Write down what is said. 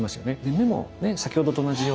目もね先ほどと同じように。